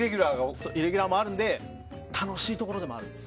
イレギュラーもあるんで楽しいところでもあるんです。